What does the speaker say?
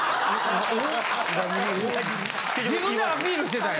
自分でアピールしてたんや。